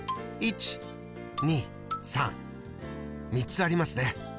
３つありますね。